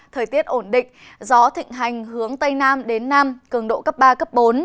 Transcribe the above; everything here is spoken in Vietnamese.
thời tiết ổn định gió thịnh hành hướng tây nam đến nam cường độ cấp ba cấp bốn